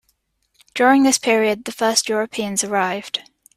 During this period the first Europeans arrived.